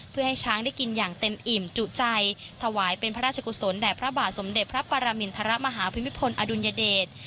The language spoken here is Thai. เพื่อให้ช้างได้กินอย่างเต็มอิ่มจุใจถวายเป็นพระราชกุศลแด่พระบาทสมเด็จพระปรมินทรมาฮภูมิพลอดุลยเดช